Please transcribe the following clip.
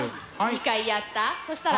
２回やった。